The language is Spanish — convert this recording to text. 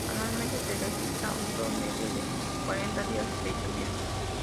Anualmente se registra un promedio de cuarenta días de lluvia.